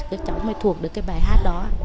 các cháu mới thuộc được cái bài hát đó